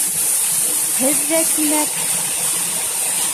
Һеҙ ҙә, тимәк...